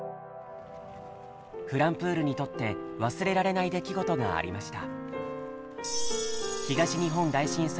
ｆｌｕｍｐｏｏｌにとって忘れられない出来事がありました。